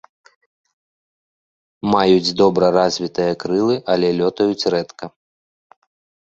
Маюць добра развітыя крылы, але лётаюць рэдка.